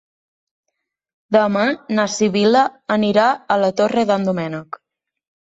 Demà na Sibil·la anirà a la Torre d'en Doménec.